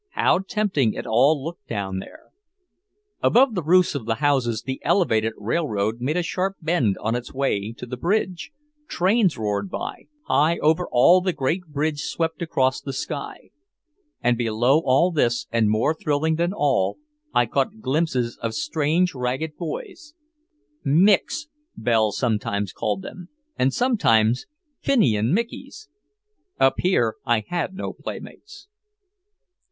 How tempting it all looked down there. Above the roofs of the houses, the elevated railroad made a sharp bend on its way to the Bridge, trains roared by, high over all the Great Bridge swept across the sky. And below all this and more thrilling than all, I caught glimpses of strange, ragged boys. "Micks," Belle sometimes called them, and sometimes, "Finian Mickies." Up here I had no playmates.